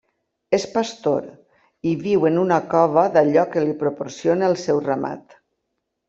És pastor i viu en una cova d'allò que li proporciona el seu ramat.